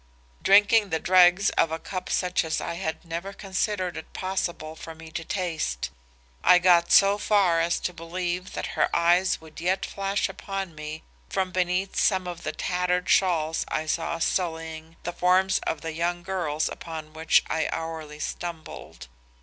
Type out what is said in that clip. Drinking the dregs of a cup such as I had never considered it possible for me to taste, I got so far as to believe that her eyes would yet flash upon me from beneath some of the tattered shawls I saw sullying the forms of the young girls upon which I hourly stumbled.